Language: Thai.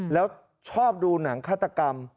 แล้วชอบดูหนังฆาตกรรม